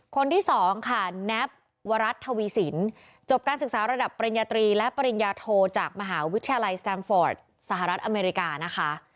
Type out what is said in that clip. คนที่สองค่ะแนบวรัฐทวีสินจบการศึกษาระดับปริญญาตรีและปริญญาโทจากมหาวิทยาลัยสแตมฟอร์ดสหรัฐอเมริกานะคะ